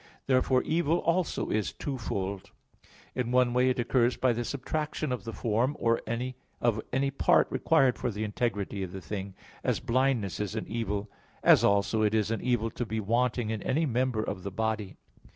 Therefore evil also is twofold. In one way it occurs by the subtraction of the form, or of any part required for the integrity of the thing, as blindness is an evil, as also it is an evil to be wanting in any member of the body.